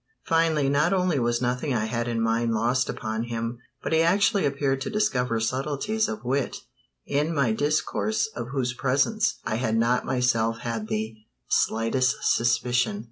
Finally not only was nothing I had in mind lost upon him, but he actually appeared to discover subtleties of wit in my discourse of whose presence I had not myself had the slightest suspicion.